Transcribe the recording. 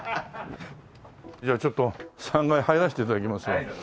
じゃあちょっと３階入らせて頂きますわ。